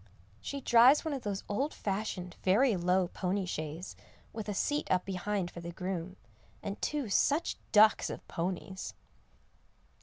She drives one of those old fashioned, very low pony shays, with a seat up behind for the groom, and two such ducks of ponies.